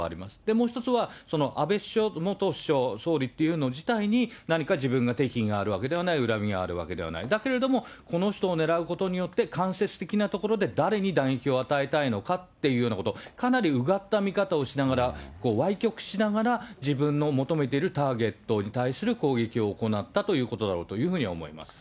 もう１つは、安倍元首相、総理っていうの自体に、何か自分が敵意があるわけではない、恨みがあるわけではない、だけれども、この人を狙うことによって、間接的なところで誰に打撃を与えたいのかということ、かなりうがった見方をしながら、わい曲しながら自分の求めているターゲットに対する攻撃を行ったということだろうというふうに思います。